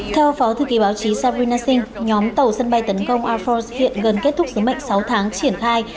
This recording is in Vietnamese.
theo phó thư ký báo chí sabrina singh nhóm tàu sân bay tấn công air force hiện gần kết thúc sứ mệnh sáu tháng triển khai